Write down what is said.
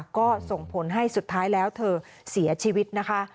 ก็ส่งผลให้สุดท้ายแล้วเธอเสียชีวิตนะคะ